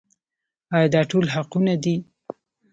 آیا دا ټول حقونه دي؟